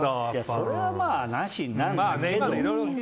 それはまあ、なしになるね。